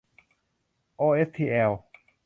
โอเอชทีแอล